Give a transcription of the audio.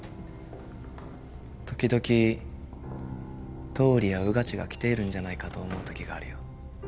時々倒理や穿地が来ているんじゃないかと思う時があるよ。